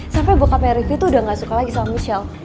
sampai bokapnya revie tuh udah gak suka lagi sama michelle